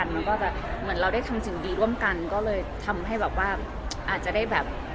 มันก็จะเหมือนเราได้ทำสิ่งดีร่วมกันก็เลยทำให้แบบว่าอาจจะได้แบบ